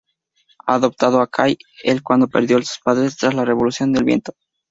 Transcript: Ha adoptado a Kal-el cuándo perdió a sus padres tras la revolución del viento.